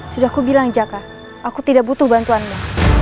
sudah ku bilang jaka aku tidak butuh bantuanmu